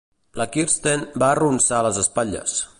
La Kirsten va arronsar les espatlles.